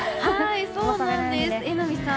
そうなんです、榎並さん